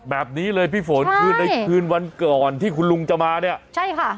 แบบนี้เลยพี่ฝนคือในคืนวันก่อนที่คุณลุงจะมาเนี่ยใช่ค่ะ